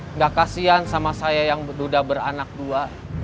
enggak kasihan sama saya yang sudah beranak dua